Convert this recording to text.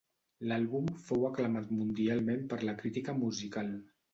L'àlbum fou aclamat mundialment per la crítica musical.